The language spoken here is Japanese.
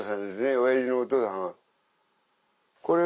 おやじのお父さん。